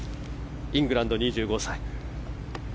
イングランドの２５歳。